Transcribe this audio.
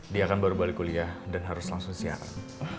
dia kan baru balik kuliah dan harus langsung siaran